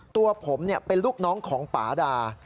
ตัวผมเป็นลูกน้องของป่าดา